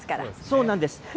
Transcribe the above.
そうなんです。